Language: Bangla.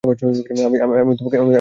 আমি তোমাকে মারব না, নিক।